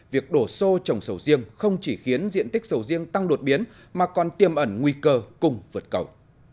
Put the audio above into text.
việc đổ xô trồng sầu riêng không chỉ khiến diện tích sầu riêng tăng đột biến mà còn tiêm ẩn nguy cơ cùng vượt cầu